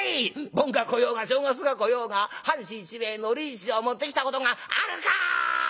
盆が来ようが正月が来ようが半紙一枚海苔一帖持ってきたことがあるか！』